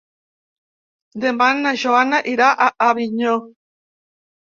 Demà na Joana irà a Avinyó.